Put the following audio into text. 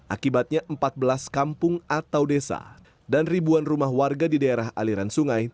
akibatnya empat belas kampung atau desa dan ribuan rumah warga di daerah aliran sungai